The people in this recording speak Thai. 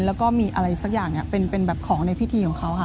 แล้วก็มีอะไรสักอย่างเป็นแบบของในพิธีของเขาค่ะ